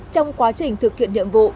trong quá trình thực hiện nhiệm vụ